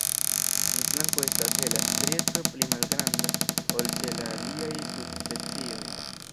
En flanko estas hela strieco pli malgranda ol ĉe la aliaj subspecioj.